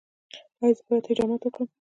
ایا زه باید حجامت وکړم؟